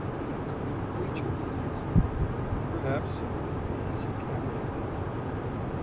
What a queer creature he is!' 'Perhaps so; but he's a capital fellow.